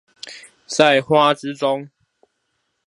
在花之中